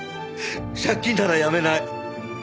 借金ならやめない。